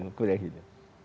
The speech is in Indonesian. gue lihat gitu